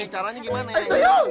caranya gimana ya